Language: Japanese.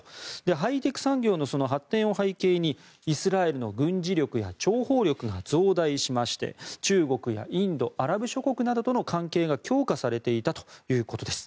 ハイテク産業の発展を背景にイスラエルの軍事力や諜報力が増大しまして、中国やインドアラブ諸国などとの関係が強化されていたということです。